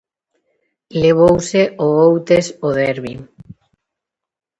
Levouse o Outes o derbi.